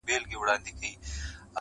له شنو دښتونو به سندري د کیږدیو راځي-